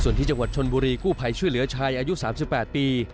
ส่วนที่จังหวัดชนบุรีกู้ภัยช่วยเหลือชายอายุ๓๘ปี